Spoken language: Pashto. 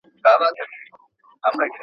ښکاري وویل زه تا حلالومه ,